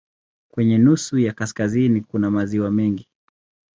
Kwenye nusu ya kaskazini kuna maziwa mengi.